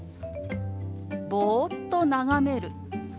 「ぼーっと眺める」。